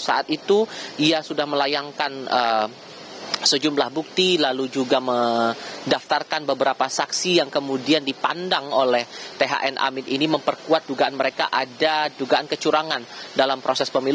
saat itu ia sudah melayangkan sejumlah bukti lalu juga mendaftarkan beberapa saksi yang kemudian dipandang oleh thn amin ini memperkuat dugaan mereka ada dugaan kecurangan dalam proses pemilu